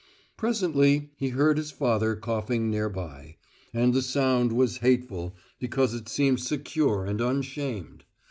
Presently he heard his father coughing near by; and the sound was hateful, because it seemed secure and unshamed.